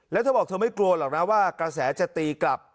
แล้วเธอบอกเธอไม่กลัวหรอกนะว่ากระแสจะตีกลับ